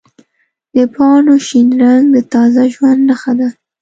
د پاڼو شین رنګ د تازه ژوند نښه ده.